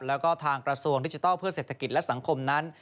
แล้วก็ทางกระทรวงดิจิทัลเพื่อเศรษฐกิจและสังคมนั้น